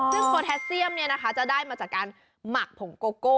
ซึ่งโพแทสเซียมจะได้มาจากการหมักผงโกโก้